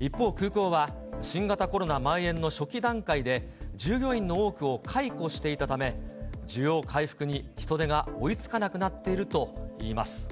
一方、空港は、新型コロナまん延の初期段階で従業員の多くを解雇していたため、需要回復に人手が追いつかなくなっているといいます。